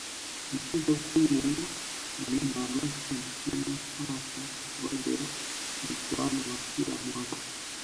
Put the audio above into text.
Mchezo huo ni maarufu nchini hasa kwa sababu ya mchuano wa kila mwaka